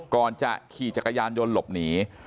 ก่อนจะขี่จักรยานยนต์หลบหนี